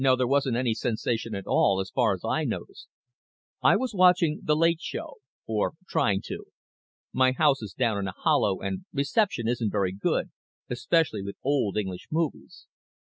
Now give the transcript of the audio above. There wasn't any sensation at all, as far as I noticed. I was watching the late show or trying to. My house is down in a hollow and reception isn't very good, especially with old English movies.